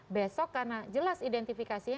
besok karena jelas identifikasinya